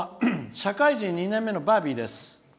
社会人２年目のバービーです。